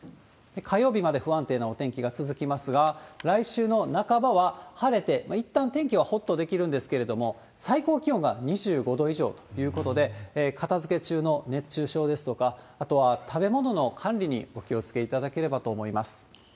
火曜日まで不安定なお天気が続きますが、来週の半ばは晴れて、いったん天気はほっとできるんですけれども、最高気温が２５度以上ということで、片づけ中の熱中症ですとか、あとは食べ物の管理にお気をつけいただければと思います。